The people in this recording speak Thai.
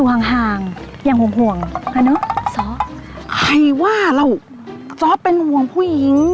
อยู่ห่างห่างยังห่วงห่วงมาเนอะสอบใครว่าเราสอบเป็นห่วงผู้หญิง